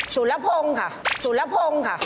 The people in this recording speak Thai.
สุรพงศ์ค่ะสุรพงศ์ค่ะ